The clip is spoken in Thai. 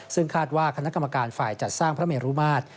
ซึ่งคาดว่าคณะกรรมการฝ่ายจัดสร้างพระเมรุมาตร